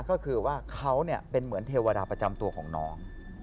ก็คือว่าเขาเป็นเหมือนเทวดาประจำตัวของน้อง